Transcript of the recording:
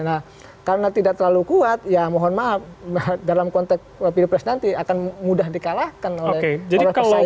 nah karena tidak terlalu kuat ya mohon maaf dalam konteks pd pres nanti akan mudah di kalahkan oleh orang pesaing yang lain